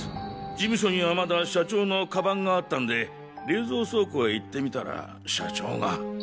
事務所にはまだ社長の鞄があったんで冷蔵倉庫へ行ってみたら社長が。